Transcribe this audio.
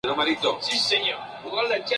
Es una planta vivaz, erguida o colgante.